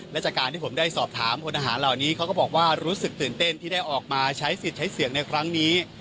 และจากการที่ผมได้สอบถามพลทหารเหล่านี้เขาก็บอกว่ารู้สึกตื่นเต้นที่ได้ออกมาใช้สิทธิ์ใช้เสียงในครั้งนี้